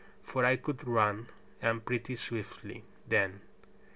For I could run, and pretty swiftly, then.